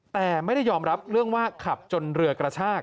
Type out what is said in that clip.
แต่ไม่ได้ยอมรับเรื่องว่าขับจนเรือกระชาก